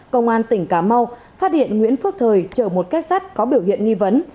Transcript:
công an tỉnh cà mau phát hiện nguyễn phước thời chở một kết sắt có biểu hiện nghi vấn